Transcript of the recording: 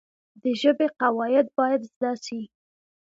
د ژبي قواعد باید زده سي.